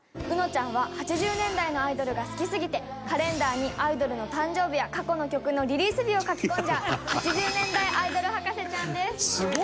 うのちゃんは８０年代のアイドルが好きすぎてカレンダーにアイドルの誕生日や過去の曲のリリース日を書き込んじゃう８０年代アイドル博士ちゃんです。